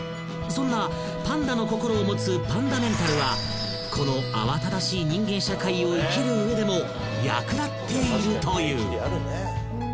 ［そんなパンダの心を持つ「パンダメンタル」はこの慌ただしい人間社会を生きる上でも役立っているという］